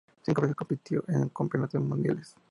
Cinco veces compitió en Campeonatos Mundiales.